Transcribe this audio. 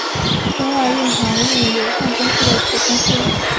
中外运航运有限公司的子公司。